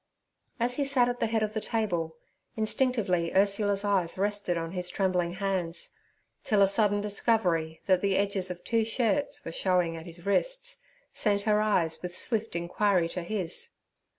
As he sat at the head of the table, instinctively Ursula's eyes rested on his trembling hands, till a sudden discovery that the edges of two shirts were showing at his wrists, sent her eyes with swift inquiry to his.